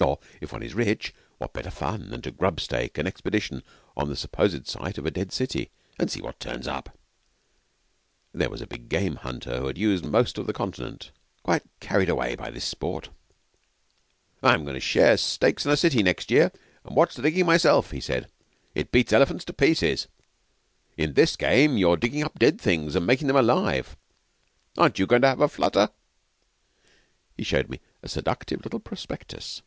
Or, if one is rich, what better fun than to grub stake an expedition on the supposed site of a dead city and see what turns up? There was a big game hunter who had used most of the Continent, quite carried away by this sport. 'I'm going to take shares in a city next year, and watch the digging myself,' he said. 'It beats elephants to pieces. In this game you're digging up dead things and making them alive. Aren't you going to have a flutter?' He showed me a seductive little prospectus.